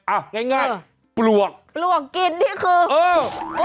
อ่ะง่ายปลวกปลวกกินนี่คือเออ